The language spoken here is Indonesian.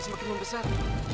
tuhan apakah yang lebih besar